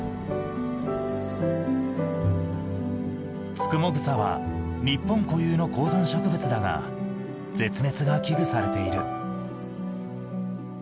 ツクモグサは日本固有の高山植物だが絶滅が危惧されている。